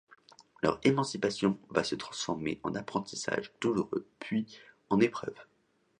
Leur émancipation va se transformer en apprentissage douloureux puis en épreuve.